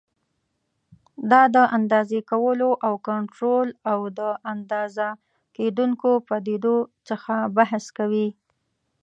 دا د اندازې کولو او کنټرول او د اندازه کېدونکو پدیدو څخه بحث کوي.